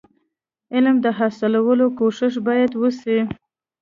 علم د حاصلولو کوښښ باید وسي.